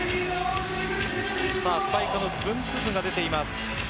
スパイクの分布図が出ています。